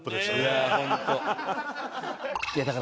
いやホント。